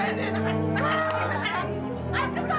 ini apaan sih